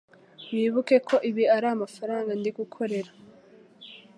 Wibuke ko ibi ari amafaranga ndigukorera